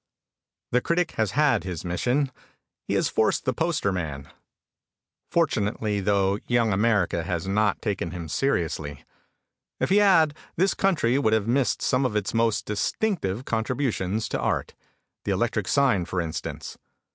The critic has had his mission. He has forced the Poster man. Fortunately though young America has not taken him seriously. If he had this country would have missed some of its most distinctive contributions to Art. The electric sign for instance.